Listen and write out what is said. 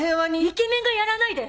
イケメンがやらないで！